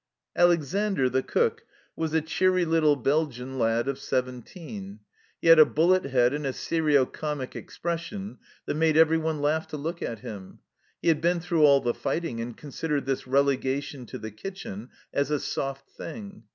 Alexandre, the cook, was a cheery little Belgian 17 130 THE CELLAR HOUSE OF PERVYSE lad of seventeen ; he had a bullet head and a serio comic expression that made one laugh to look at him. He had been through all the fighting, and considered this relegation to the kitchen as a " soft thing."